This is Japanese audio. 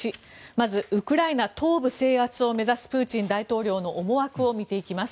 まずウクライナ東部制圧を目指すプーチン大統領の思惑を見ていきます。